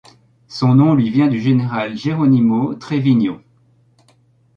Son nom lui vient du général Jeronimo Treviño.